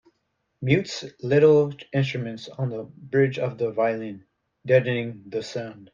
Mutes little instruments on the bridge of the violin, deadening the sound.